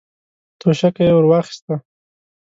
توشکه يې ور واخيسته.